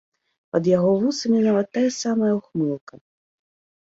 Пад яго вусамі нават тая самая ўхмылка.